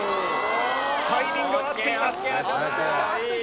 タイミングは合っていますおっ